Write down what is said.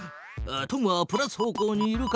トムはプラス方向にいるから。